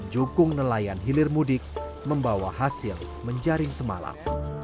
jukung nelayan hilir mudik membawa hasil menjaring semalam